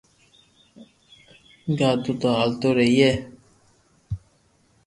گاڌو تو ھالتو رڄئي